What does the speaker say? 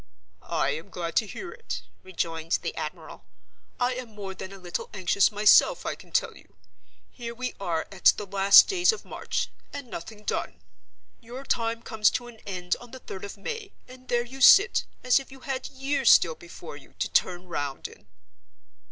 "I am glad to hear it," rejoined the admiral. "I am more than a little anxious myself, I can tell you. Here we are at the last days of March—and nothing done! Your time comes to an end on the third of May; and there you sit, as if you had years still before you, to turn round in."